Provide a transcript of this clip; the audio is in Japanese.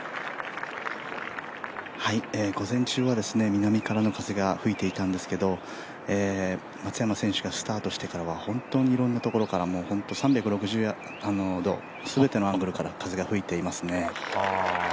午前中は南からの風が吹いていたんですけど松山選手がスタートしてからは本当にいろんなところから３６０度、全てのアングルから風が吹いていますね。